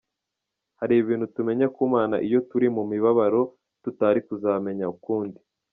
Hari ibintu tumenya ku Mana iyo turi mu mibabaro tutari kuzameya ukundi.